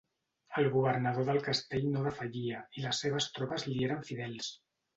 El governador del castell no defallia i les seves tropes li eren fidels.